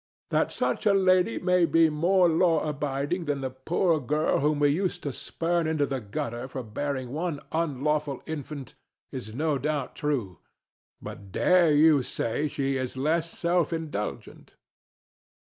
That such a lady may be more law abiding than the poor girl whom we used to spurn into the gutter for bearing one unlawful infant is no doubt true; but dare you say she is less self indulgent?